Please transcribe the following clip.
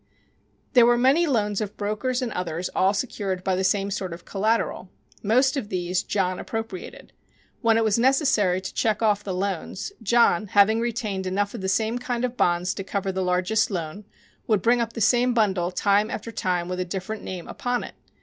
There were many loans of brokers and others all secured by the same sort of collateral. Most of these John appropriated. When it was necessary to check off the loans, John, having retained enough of the same kind of bonds to cover the largest loan, would bring up the same bundle time after time with a different name upon it.